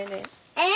えっ？